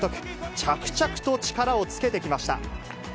着々と力をつけてきました。